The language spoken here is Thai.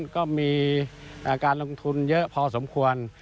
ก็มีการลงทุนเยอะพอสมควร